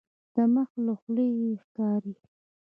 د مخ له خولیې یې ښکاري.